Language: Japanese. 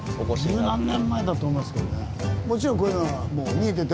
十何年前だと思いますけどね。